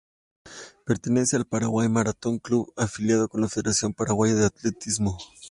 Pertenece al Paraguay Marathon Club, afiliado con la Federación Paraguaya de Atletismo.